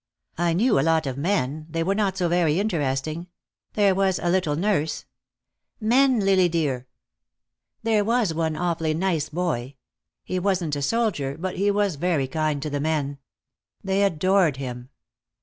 "I knew a lot of men. They were not so very interesting. There was a little nurse " "Men, Lily dear." "There was one awfully nice boy. He wasn't a soldier, but he was very kind to the men. They adored him."